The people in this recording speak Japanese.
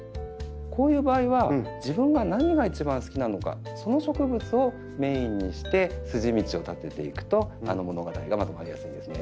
こういう場合は自分が何が一番好きなのかその植物をメインにして筋道を立てていくと物語がまとまりやすいんですね。